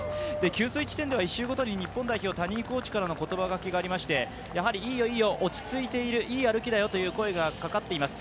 給水地点では谷コーチからの声がけがありましていいよいいよ、落ち着いている、いい歩きだよという声がかかっています。